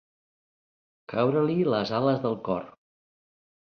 Caure-li les ales del cor.